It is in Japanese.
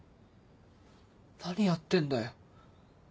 何やってんだよ。